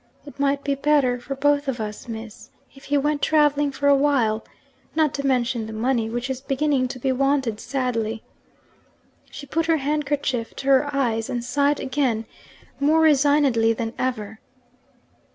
It might be better for both of us, Miss, if he went travelling for a while not to mention the money, which is beginning to be wanted sadly.' She put her handkerchief to her eyes, and sighed again more resignedly than ever.